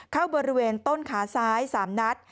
เข้าบริเวณต้นขาซ้าย๓นัด